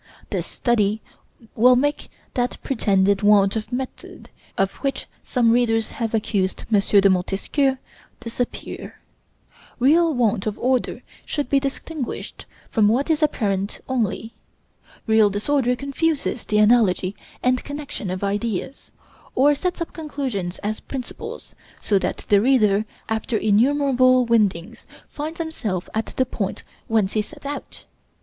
This study will make that pretended want of method, of which some readers have accused M. de Montesquieu, disappear. Real want of order should be distinguished from what is apparent only. Real disorder confuses the analogy and connection of ideas; or sets up conclusions as principles, so that the reader, after innumerable windings, finds himself at the point whence he set out.